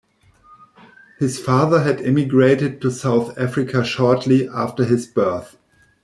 His father had emigrated to South Africa shortly after his birth.